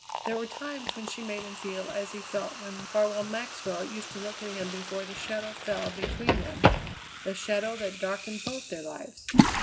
There were times when she made him feel as he felt when Farwell Maxwell used to look at him before the shadow fell between them the shadow that darkened both their lives.